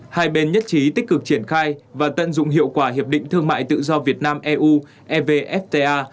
hai bên nhất trí tích cực triển khai và tận dụng hiệu quả hiệp định thương mại tự do việt nam eu evfta